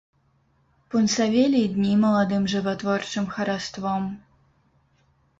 Пунсавелі дні маладым жыватворчым хараством.